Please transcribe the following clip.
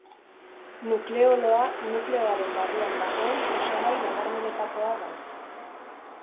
Nukleoloa nukleoaren barruan dagoen osagai nabarmenetakoa da.